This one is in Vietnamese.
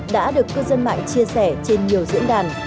đã được cư dân mạng chia sẻ trên nhiều diễn đàn